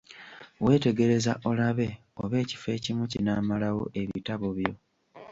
Weetegereza olabe oba ekifo ekimu kinaamalawo ebitabo byo.